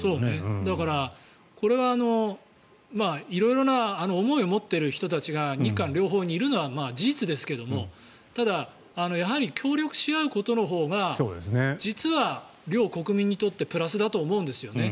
だから、これは色々な思いを持っている人たちが日韓両方にいるのは事実ですがただ、やはり協力し合うことのほうが実は両国民にとってプラスだと思うんですよね。